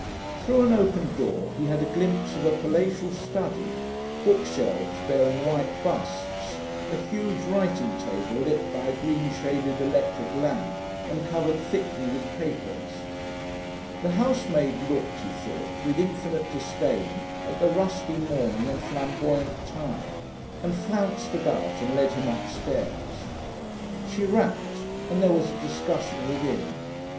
Through an open door he had a glimpse of a palatial study, book shelves bearing white busts, a huge writing table lit by a green shaded electric lamp and covered thickly with papers. The housemaid looked, he thought, with infinite disdain at the rusty mourning and flamboyant tie, and flounced about and led him upstairs. She rapped, and there was a discussion within.